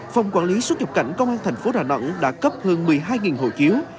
phòng quản lý xuất nhập cảnh công an thành phố đà nẵng đã cấp hơn một mươi hai hộ chiếu